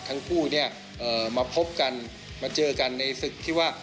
ทั้งคู่เนี่ยมาพบกันมาเจอกันในศึกที่ว่า